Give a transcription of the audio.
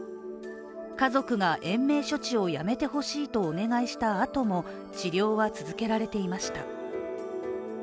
家族が、延命処置をやめてほしいとお願いしたあとも、治療は続けられていました。